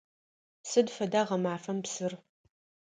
Сыд фэда гъэмафэм псыр?